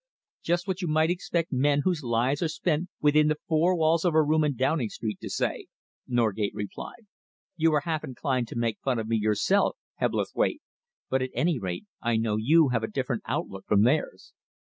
"Just what you might expect men whose lives are spent within the four walls of a room in Downing Street to say," Norgate replied. "You are half inclined to make fun of me yourself, Hebblethwaite, but at any rate I know you have a different outlook from theirs.